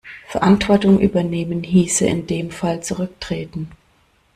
Verantwortung übernehmen hieße in dem Fall zurücktreten.